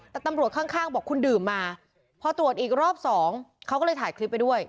แต่ตำรวจข้างบอกคุณดื่มมาพอตรวจอีกรอบสองเขาก็เลยถ่ายคลิปไปด้วย